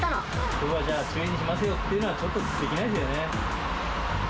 きょうは注意にしますよというのは、ちょっとできないですよね。